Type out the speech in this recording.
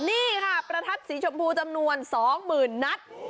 นี่คะประทัดสีชมพูสำนวนสองหมื่นนัท